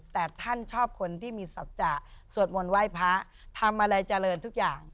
แต่ท่านชอบคนที่มีสัจจะสวดมนต์ไหว้พระทำอะไรเจริญทุกอย่าง